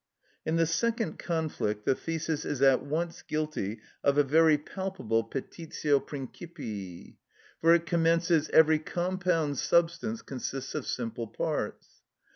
In the second conflict the thesis is at once guilty of a very palpable petitio principii, for it commences, "Every compound substance consists of simple parts."